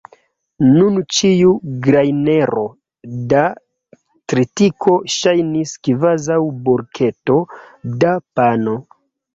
Nun ĉiu grajnero da tritiko ŝajnis kvazaŭ bulketo da pano.